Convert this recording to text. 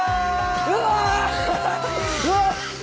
うわっ！